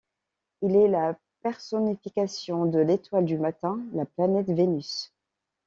Il est la personnification de l'étoile du matin, la planète Vénus.